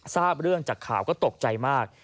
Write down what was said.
ทราบเรื่องจากข่าวก็ตกใจมาก